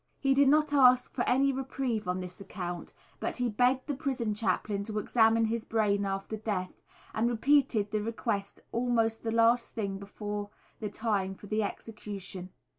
He did not ask for any reprieve on this account, but he begged the prison chaplain to examine his brain after death, and repeated the request almost the last thing before the time for the execution.